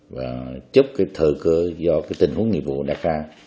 và chấp cái thờ cơ do cái tình huống nghiệp vụ đã ra